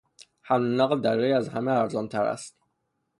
حمل و نقل دریایی از همه ارزان تر است.